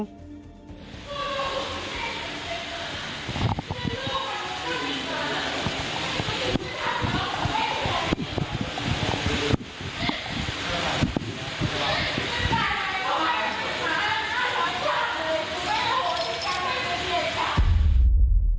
ไม่ขออโหติกรรมให้พี่สาว